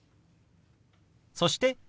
そして「日」。